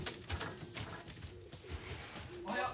おはよう！